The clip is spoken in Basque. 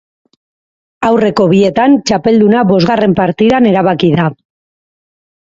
Aurreko bietan, txapelduna bosgarren partidan erabaki da.